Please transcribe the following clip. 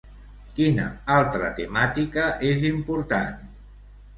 Quina altra temàtica és important?